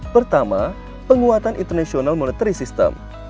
pertama penguatan international monetary system